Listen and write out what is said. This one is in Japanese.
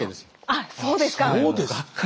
あそうですか。